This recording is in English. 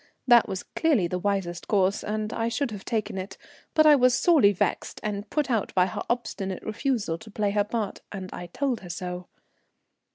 That was clearly the wisest course, and I should have taken it, but I was sorely vexed and put out by her obstinate refusal to play her part; and I told her so.